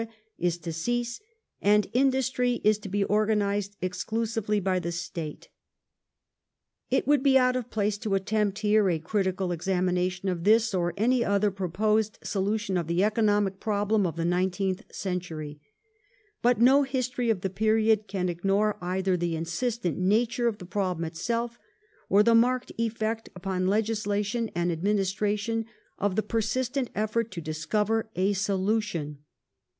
is to cease, and industry is to be organized exclusively by the State. It would be out of place to attempt here a critical examination of this or any other proposed solution of the economic problem of the nineteenth century, but no history of the period can ignore either the insistent nature of the problem itself or the marked effect upon legislation and administration of the persistent effort to discover a solution.